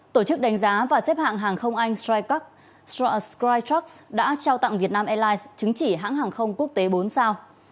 tổ chức đánh giá và xếp hạng hàng không anh skytrucks đã trao tặng vietnam airlines chứng chỉ hãng hàng không quốc tế bốn sao